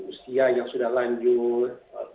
usia yang sudah lanjut